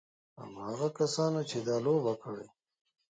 هماغه کسانو چې دا لوبه کړې.